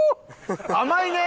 甘いね！